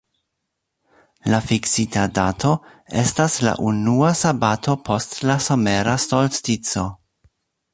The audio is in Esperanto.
La fiksita dato estas la unua sabato post la somera solstico.